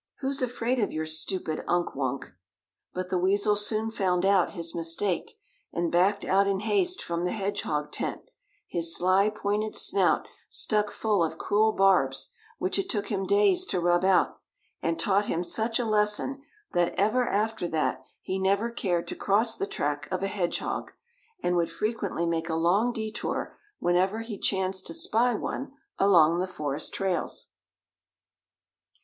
Who's afraid of your stupid "Unk Wunk?" But the weasel soon found out his mistake, and backed out in haste from the hedgehog tent, his sly, pointed snout stuck full of cruel barbs, which it took him days to rub out, and taught him such a lesson that, ever after that, he never cared to cross the track of a hedgehog, and would frequently make a long détour whenever he chanced to spy one along the forest trails.